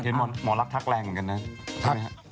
เฮนหมอนรักทักแรงเหมือนกันนะ